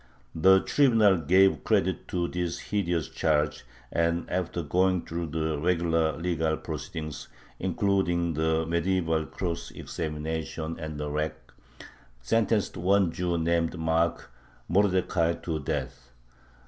The Tribunal gave credit to this hideous charge, and, after going through the regular legal proceedings, including the medieval "cross examinations" and the rack, sentenced one Jew named Mark (Mordecai) to death.